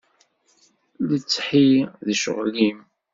Letthi d ccɣel-im.